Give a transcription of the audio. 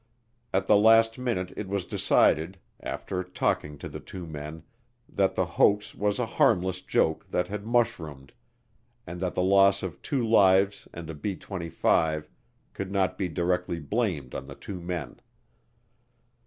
At the last minute it was decided, after talking to the two men, that the hoax was a harmless joke that had mushroomed, and that the loss of two lives and a B 25 could not be directly blamed on the two men.